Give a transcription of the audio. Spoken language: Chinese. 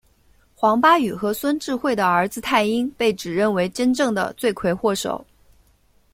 黄巴宇和孙智慧的儿子泰英被指认为真正的罪魁祸首。